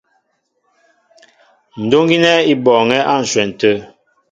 Ndúŋ gínɛ́ í bɔɔŋɛ́ á ǹshwɛn tê.